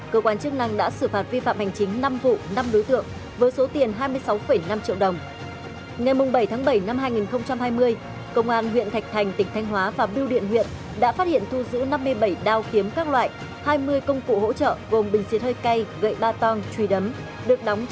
cơ quan chức năng đã xử phạt vi phạm hành chính năm vụ năm đối tượng với số tiền hai mươi sáu năm triệu đồng